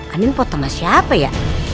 andien pot sama siapa ya